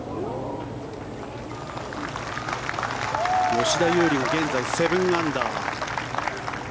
吉田優利は現在７アンダー。